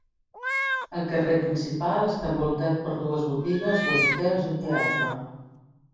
El carrer principal està envoltat per dues botigues, dos hotels i un teatre.